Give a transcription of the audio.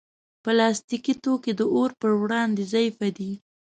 پلاستيکي توکي د اور پر وړاندې ضعیف دي.